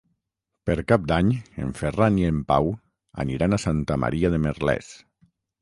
Per Cap d'Any en Ferran i en Pau aniran a Santa Maria de Merlès.